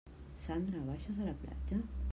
Sandra, baixes a la platja?